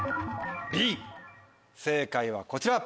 正解はこちら！